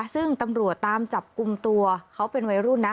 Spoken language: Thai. ซึ่งตำรวจตามจับกลุ่มตัวเขาเป็นวัยรุ่นนะ